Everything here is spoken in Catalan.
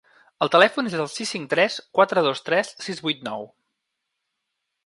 El telèfon és sis cinc tres quatre dos tres sis vuit nou.